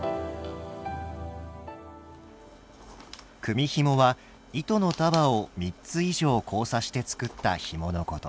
組みひもは糸の束を３つ以上交差して作ったひものこと。